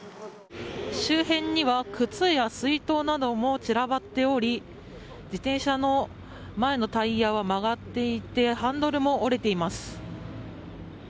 周辺には靴や水筒なども散らばっており自転車の前のタイヤは曲がっていてハンドルも折れています。